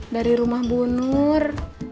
dari rumah bu nur